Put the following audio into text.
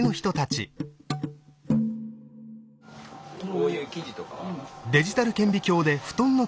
こういう生地とかは？